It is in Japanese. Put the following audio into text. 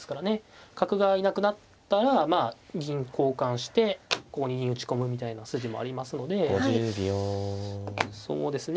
角がいなくなったらまあ銀交換してここに銀打ち込むみたいな筋もありますのでそうですね